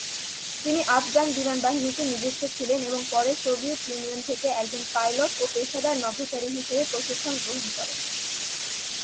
তিনি আফগান বিমান বাহিনীতে নিযুক্ত ছিলেন এবং পরে সোভিয়েত ইউনিয়ন থেকে একজন পাইলট ও পেশাদার নভোচারী হিসেবে প্রশিক্ষণ গ্রহণ করেন।